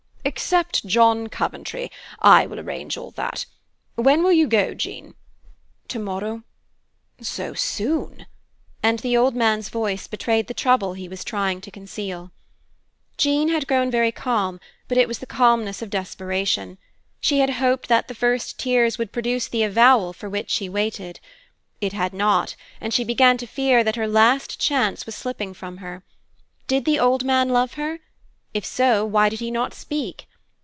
"Except John Coventry. I will arrange all that. When will you go, Jean?" "Tomorrow." "So soon!" And the old man's voice betrayed the trouble he was trying to conceal. Jean had grown very calm, but it was the calmness of desperation. She had hoped that the first tears would produce the avowal for which she waited. It had not, and she began to fear that her last chance was slipping from her. Did the old man love her? If so, why did he not speak?